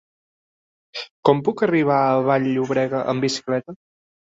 Com puc arribar a Vall-llobrega amb bicicleta?